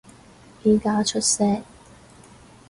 而家出聲